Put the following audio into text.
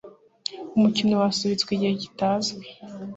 Umukino wasubitswe igihe kitazwi.